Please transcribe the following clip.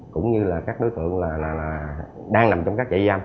cũng như là các đối tượng đang nằm trong các trại giam